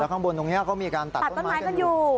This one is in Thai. ข้างบนตรงนี้เขามีการตัดต้นไม้กันอยู่